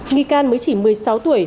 nghi can mới chỉ một mươi sáu tuổi